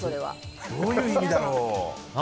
どういう意味だろう。